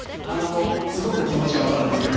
すごく気持ちは分かるんですよ。